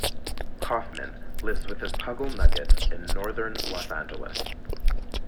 Kaufman lives with his puggle Nugget in northern Los Angeles.